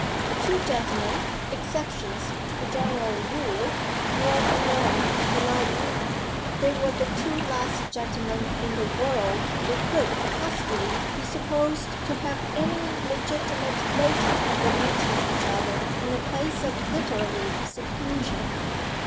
Two gentlemen (exceptions to the general rule) were alone in the library. They were the two last gentlemen in the would who could possibly be supposed to have any legitimate motive for meeting each other in a place of literary seclusion.